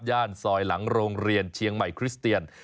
ซอยหลังโรงเรียนเชียงใหม่คริสเตียน